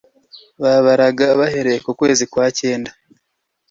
Babaraga bahereye ku kwezi kwa cyenda